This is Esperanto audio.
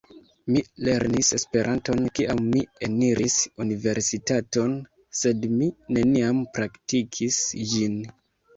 Mi lernis Esperanton kiam mi eniris universitaton, sed mi neniam praktikis ĝin.